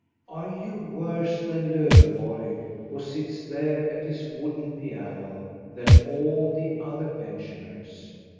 Are you worse than Lowenborg, who sits there at his wooden piano, than all the other pensioners?